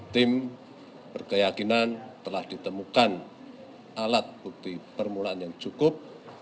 tim berkeyakinan telah ditemukan alat bukti permulaan yang cukup